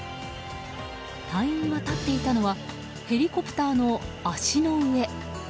隊員が立っていたのはヘリコプターの脚の上。